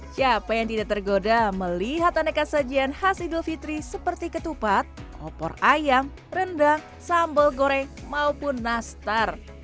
siapa yang tidak tergoda melihat aneka sajian khas idul fitri seperti ketupat opor ayam rendang sambal goreng maupun nastar